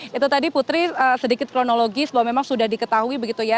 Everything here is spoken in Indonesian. itu tadi putri sedikit kronologis bahwa memang sudah diketahui begitu ya